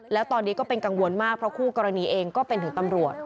แล้วตอนนี้ก็เป็นกังวลมากเพราะคู่กรณีเองก็เป็นถึงตำรวจ